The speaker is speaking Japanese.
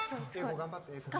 頑張って。